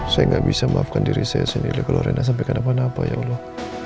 saya gak bisa maafkan diri saya sendiri kalau reyna sampai kemana mana apa ya allah